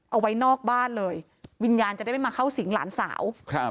เอาไว้นอกบ้านเลยวิญญาณจะได้ไม่มาเข้าสิงหลานสาวครับ